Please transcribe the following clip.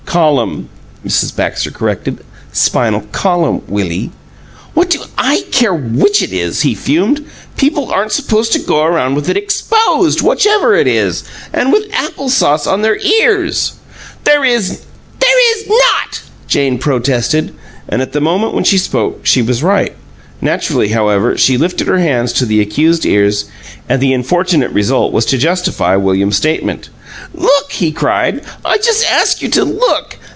"Column," Mrs. Baxter corrected. "Spinal column, Willie." "What do I care which it is?" he fumed. "People aren't supposed to go around with it EXPOSED, whichever it is! And with apple sauce on their ears!" "There is not!" Jane protested, and at the moment when she spoke she was right. Naturally, however, she lifted her hands to the accused ears, and the unfortunate result was to justify William's statement. "LOOK!" he cried. "I just ask you to look!